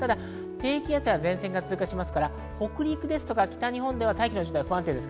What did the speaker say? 低気圧や前線が通過しますから、北陸とか北日本では大気の状態は不安定です。